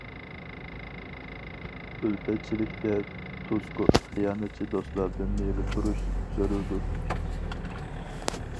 ئۈلپەتچىلىكتە تۇزكور، خىيانەتچى دوستلاردىن نېرى تۇرۇش زۆرۈردۇر.